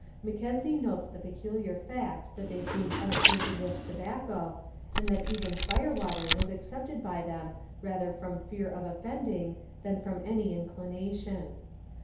Mackenzie notes the peculiar fact that they seemed unacquainted with tobacco, and that even fire water was accepted by them rather from fear of offending than from any inclination.